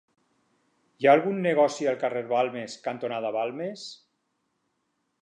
Hi ha algun negoci al carrer Balmes cantonada Balmes?